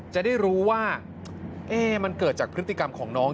จะได้รู้ว่ามันเกิดจากพฤติกรรมของน้อง